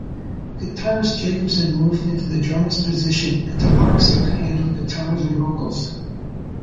Guitarist Jakobson moved into the drummer's position and Talarczyk handled guitars and vocals.